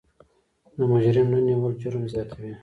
د مجرم نه نیول جرم زیاتوي.